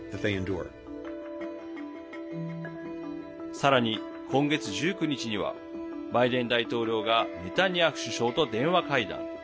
さらに今月１９日にはバイデン大統領がネタニヤフ首相と電話会談。